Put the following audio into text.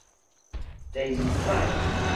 第二指